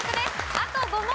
あと５問！